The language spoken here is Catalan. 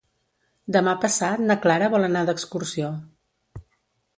Demà passat na Clara vol anar d'excursió.